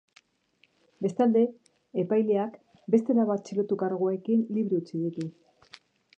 Bestalde, epaileak beste lau atxilotu karguekin libre utzi ditu.